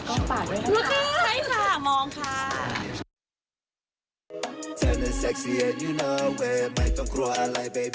ก็ฝากด้วยนะคะ